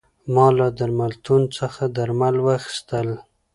ما له درملتون څخه درمل واخیستل.